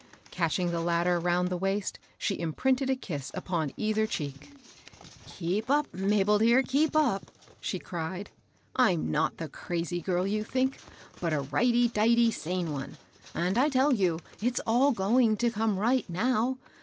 Catch ing the latter around the waist, she imprinted a kiss upon either cheek. DOMESTIC ACCOUNTS. 24J " Keep up, Mabel dear ! keep up 1 " she cried. "I'm not the crazy girl you tliink, but a righty, dighty sane one ; and, I tell you, it's all going to come right, now.